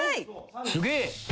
すげえ！